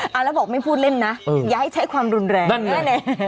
เอาแล้วบอกไม่พูดเล่นนะอย่าให้ใช้ความรุนแรงแน่